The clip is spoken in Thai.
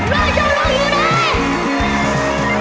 เจ้าโรคอยู่ไหน